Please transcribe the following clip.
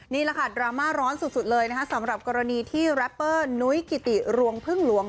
นี่แหละค่ะดราม่าร้อนสุดเลยนะคะสำหรับกรณีที่แรปเปอร์นุ้ยกิติรวงพึ่งหลวง